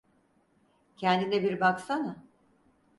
Kendine bir baksana.